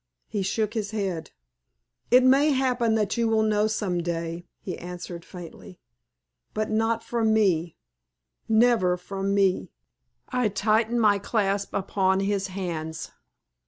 He shook his head. "It may happen that you will know some day," he answered, faintly, "but not from me never from me." I tightened my clasp upon his hands.